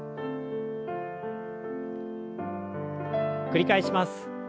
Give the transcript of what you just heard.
繰り返します。